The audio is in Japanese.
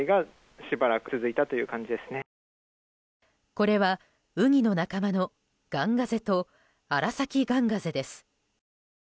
これはウニの仲間のガンガゼとアラサキガンガゼです。